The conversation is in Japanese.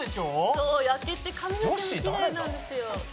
「そう焼けて髪の毛もキレイなんですよ。